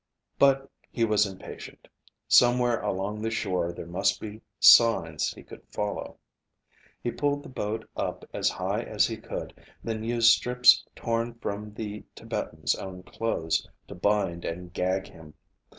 But he was impatient. Somewhere along the shore there must be signs he could follow. He pulled the boat up as high as he could, then used strips torn from the Tibetan's own clothes to bind and gag him.